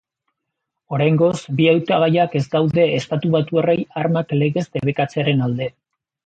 Oraingoz, bi hautagaiak ez daude estatubatuarrei armak legez debekatzearen alde.